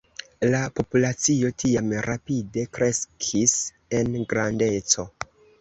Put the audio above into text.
La populacio tiam rapide kreskis en grandeco.